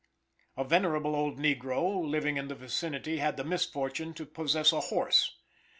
A venerable old negro living in the vicinity had the misfortune to possess a horse.